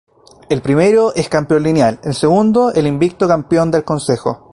El primero es campeón lineal, el segundo el invicto campeón del Consejo.